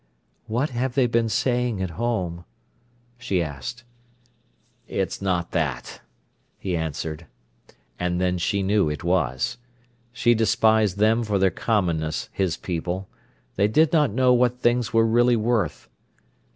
"What have they been saying at home?" she asked. "It's not that," he answered. And then she knew it was. She despised them for their commonness, his people. They did not know what things were really worth.